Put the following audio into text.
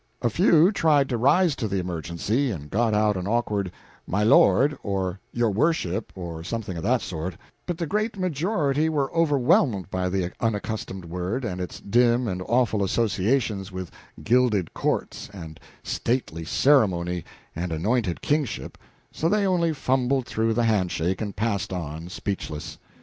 A few tried to rise to the emergency, and got out an awkward "My lord," or "Your lordship," or something of that sort, but the great majority were overwhelmed by the unaccustomed word and its dim and awful associations with gilded courts and stately ceremony and anointed kingship, so they only fumbled through the hand shake and passed on, speechless.